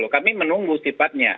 kami menunggu sifatnya